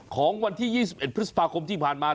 ของวันที่๒๑พฤษภาคมที่ผ่านมา